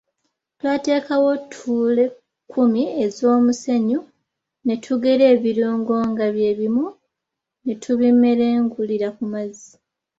Twateekawo ttule kkumi ez’omusenyu ne tugera ebirungo nga bye bimu ne tubimerengulira mu mazzi.